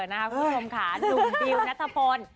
นะคะนมบิลว์นาธพล